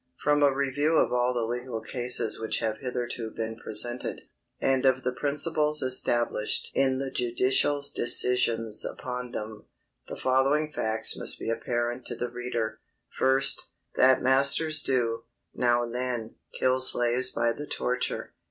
From a review of all the legal cases which have hitherto been presented, and of the principles established in the judicial decisions upon them, the following facts must be apparent to the reader: First, That masters do, now and then, kill slaves by the torture.